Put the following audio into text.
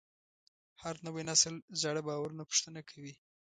هر نوی نسل زاړه باورونه پوښتنه کوي.